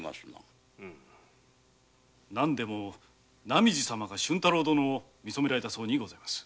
浪路様が俊太郎殿を見初められたそうにございます。